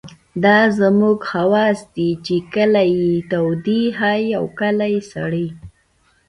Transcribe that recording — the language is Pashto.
دا زموږ حواس دي چې کله يې تودې ښيي او کله سړې.